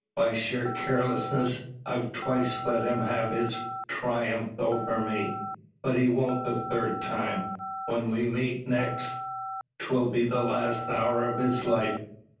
By sheer carelessness I've twice let him have his triumph over me. But he won't the third time. When we next meet 'twill be the last hour of his life.